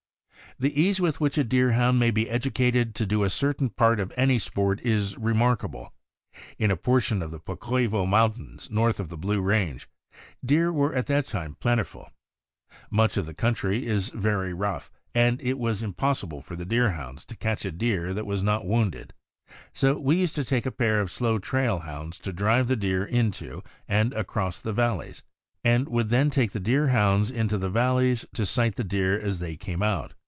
The ease with which a Deerhound may be educated to do a certain part of any sport is remarkable. In a portion of the Pocoivo Mountains, north of the Blue Range, deer were at that time plentiful. Much of the country is very rough, and it was impossible for the Deerhounds to catch a deer that was not wounded; so we used to take a pair of slow trail hounds to drive the deer into and across the valleys, and would then take the Deerhounds into the val leys to sight the deer as they came out.